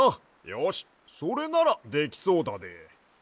よしそれならできそうだで。